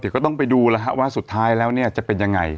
เดี๋ยวก็ต้องไปดูแล้วว่าสุดท้ายแล้วเนี่ยจะเป็นยังไง